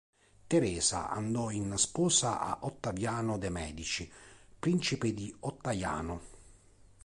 Teresa andò in sposa a Ottaviano de' Medici, principe di Ottajano.